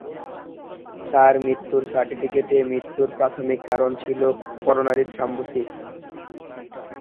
তার মৃত্যুর সার্টিফিকেটে মৃত্যুর প্রাথমিক কারণ ছিল করোনারিথ্রম্বোসিস।